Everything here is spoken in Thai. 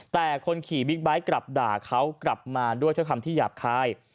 แต่คนขี่บิ๊กไบท์กลับด่าเขากลับมาด้วยคำที่หยาบคาย